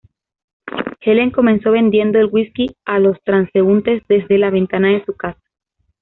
Helen comenzó vendiendo el whisky a los transeúntes desde la ventana de su casa.